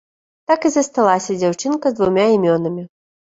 Так і засталася дзяўчынка з двума імёнамі.